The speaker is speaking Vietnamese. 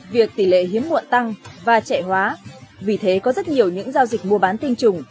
việc tỷ lệ hiếm muộn tăng và trẻ hóa vì thế có rất nhiều những giao dịch mua bán tinh trùng